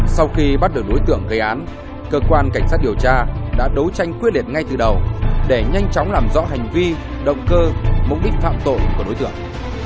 sau khi bắt được đối tượng gây án cơ quan cảnh sát điều tra đã đấu tranh quyết liệt ngay từ đầu để nhanh chóng làm rõ hành vi động cơ mục đích phạm tội của đối tượng